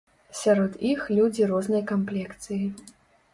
Сярод іх людзі рознай камплекцыі.